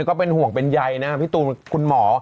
ก็เป็นห่วงเป็นใยนะพี่ตูนคุณหมอ